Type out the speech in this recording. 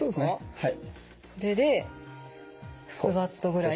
はい。